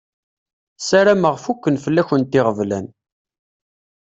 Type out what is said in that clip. Sarameɣ fukken fell-akent iɣeblan.